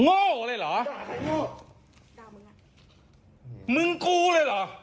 โง่เลยเหรอด่าใครโง่ด่ามึงอ่ะมึงกูเลยเหรอ